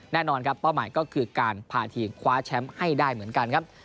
แน่นอนครับเป้าหมายก็คือการพาทีมคว้าแชมป์ให้ได้เหมือนกันครับ